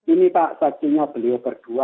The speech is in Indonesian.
ini pak bajunya beliau berdua